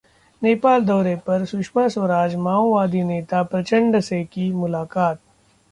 नेपाल दौरे पर सुषमा स्वराज, माओवादी नेता प्रचंड से की मुलाकात